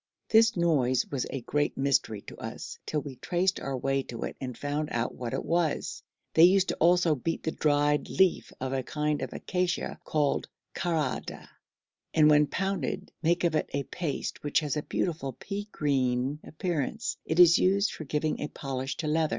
This noise was a great mystery to us till we traced our way to it and found out what it was. They used also to beat the dried leaf of a kind of acacia called kharrad, and, when pounded, make of it a paste which has a beautiful pea green appearance; it is used for giving a polish to leather.